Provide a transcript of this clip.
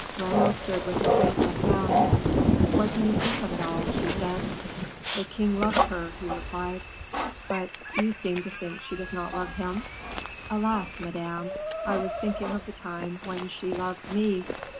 Raoul stood with his head bent down. "What do you think of it all?" she said. "The king loves her," he replied. "But you seem to think she does not love him!" "Alas, Madame, I was thinking of the time when she loved me."